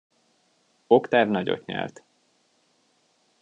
Oktáv nagyot nyelt.